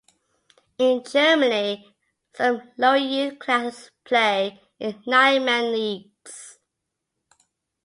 In Germany, some lower youth classes play in nine-man leagues.